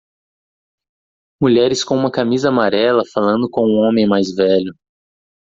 Mulheres com uma camisa amarela falando com um homem mais velho.